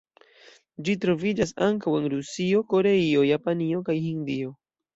Ĝi troviĝas ankaŭ en Rusio, Koreio, Japanio kaj Hindio.